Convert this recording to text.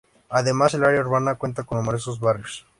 Además el área urbana cuenta con numerosos barrios.